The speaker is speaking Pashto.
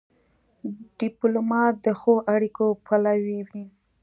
ډيپلومات د ښو اړیکو پلوی وي.